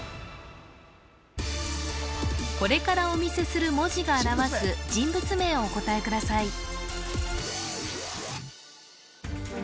これからお見せする文字が表す人物名をお答えください